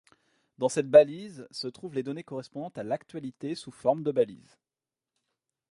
Dans cette balise se trouvent les données correspondantes à l'actualité sous forme de balise.